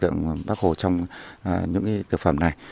thể hiện hình tượng bác hồ trong những cái thực phẩm này